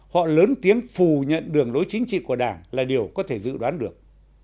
họ lớn tiếng phù nhận đường lối chính trị của đảng là điều có thể dự đoán được